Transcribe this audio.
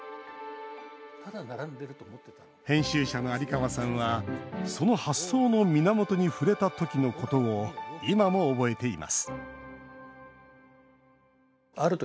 編集者の有川さんはその発想の源に触れた時のことを今も覚えています